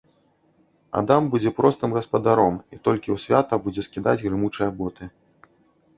Адам будзе простым гаспадаром і толькі ў свята будзе скідаць грымучыя боты.